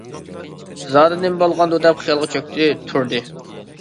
زادى نېمە بولغاندۇ دەپ خىيالغا چۆكتى تۇردى.